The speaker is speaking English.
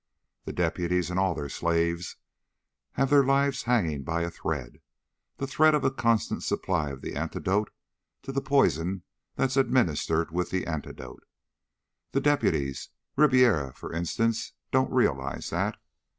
"The deputies and all their slaves have their lives hanging by a thread the thread of a constant supply of the antidote to the poison that's administered with the antidote. The deputies Ribiera, for instance don't realize that.